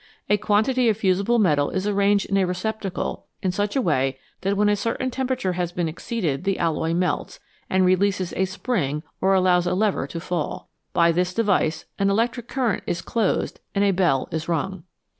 A quantity of fusible metal is arranged in a receptacle in such a way that when a certain temperature has been exceeded the alloy melts, and releases a spring or allows a lever to fall. By this device an electric circuit is closed and a bell is rung.